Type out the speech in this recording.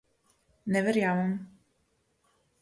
Ne verjamem!